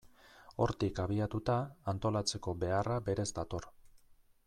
Hortik abiatuta, antolatzeko beharra berez dator.